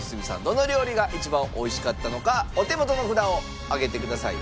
どの料理が一番おいしかったのかお手元の札を上げてください。